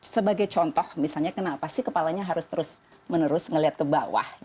sebagai contoh misalnya kenapa sih kepalanya harus terus menerus melihat ke bawah